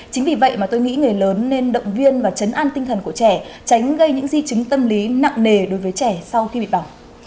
chính vì vậy mà tôi nghĩ người lớn nên động viên và chấn an tinh thần của trẻ tránh gây những di chứng tâm lý nặng nề đối với trẻ sau khi bị bỏng